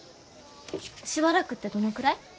しばらくってどのくらい？